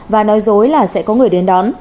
và nói dối là sẽ có người đến đón